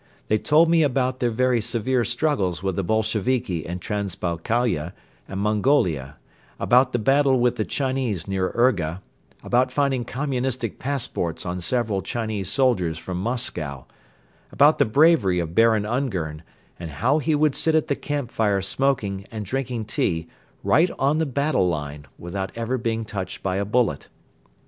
They told me about their very severe struggles with the Bolsheviki in Transbaikalia and Mongolia, about the battle with the Chinese near Urga, about finding communistic passports on several Chinese soldiers from Moscow, about the bravery of Baron Ungern and how he would sit at the campfire smoking and drinking tea right on the battle line without ever being touched by a bullet.